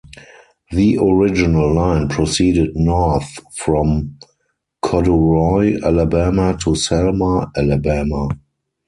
The original line proceeded north from Corduroy, Alabama to Selma, Alabama.